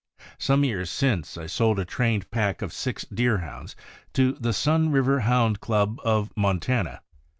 Some years since, I sold a trained pack of six Deerhounds to the Sun River Hound Club of Montana.